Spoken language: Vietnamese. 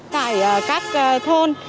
tại các thôn